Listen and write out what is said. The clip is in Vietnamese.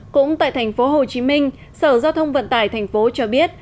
cũng tại thành phố hồ chí minh sở giao thông vận tải thành phố cho biết